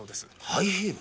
ハイヒール？